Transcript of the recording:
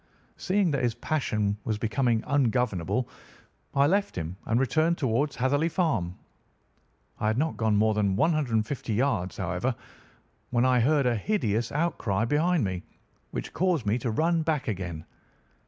Seeing that his passion was becoming ungovernable, I left him and returned towards Hatherley Farm. I had not gone more than 150 yards, however, when I heard a hideous outcry behind me, which caused me to run back again.